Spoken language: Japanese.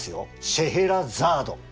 「シェエラザード」！